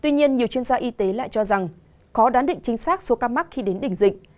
tuy nhiên nhiều chuyên gia y tế lại cho rằng khó đoán định chính xác số ca mắc khi đến đỉnh dịch